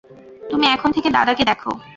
তুমি এখন থেকে দাদাকে দেখো।